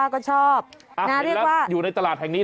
ครับนะเรียกว่าอ๋อแล้วอยู่ในตลาดแห่งนี้